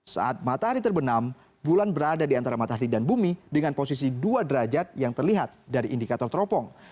saat matahari terbenam bulan berada di antara matahari dan bumi dengan posisi dua derajat yang terlihat dari indikator teropong